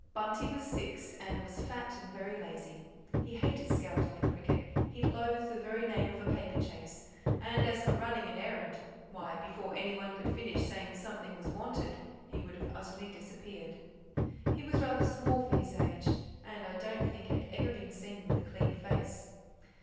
Bunty was six, and was fat and very lazy. He hated scouting at cricket, he loathed the very name of a paper chase, and as for running an errand, why, before anyone could finish saying something was wanted he would have utterly disappeared. He was rather small for his age; and I don't think had ever been seen with a clean face.